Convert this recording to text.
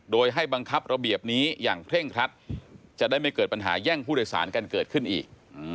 โดยให้บังคับระเบียบนี้อย่างเคร่งครัดจะได้ไม่เกิดปัญหาแย่งผู้โดยสารกันเกิดขึ้นอีก